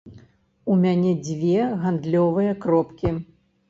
У мяне дзве гандлёвыя кропкі.